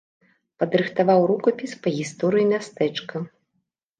Падрыхтаваў рукапіс па гісторыі мястэчка.